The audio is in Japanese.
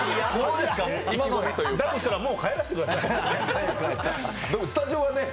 だとしたらもう帰らせてください。